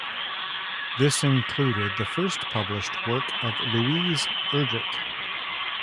This included the first published work of Louise Erdrich.